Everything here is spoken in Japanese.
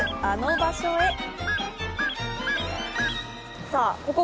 あの場所へ。